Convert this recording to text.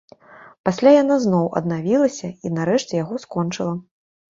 Пасля яна зноў аднавілася і нарэшце яго скончыла.